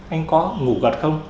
anh có ngủ gật không